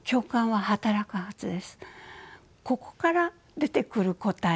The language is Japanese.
ここから出てくる答え